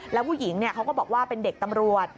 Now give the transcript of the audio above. แล้วผู้หญิงเขาก็บอกว่าเป็นเด็กตำรวจ